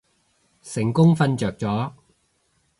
成功瞓着咗